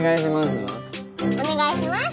お願いしますは？